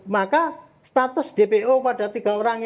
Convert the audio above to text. maka status dpo pada tiga orang ini